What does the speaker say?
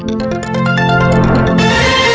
ได้